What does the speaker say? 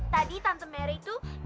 tadi tante merry tau kan